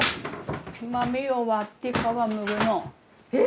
豆を割って皮むくの。え！